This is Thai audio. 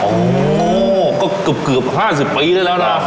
โอ้โหก็เกือบ๕๐ปีได้แล้วนะ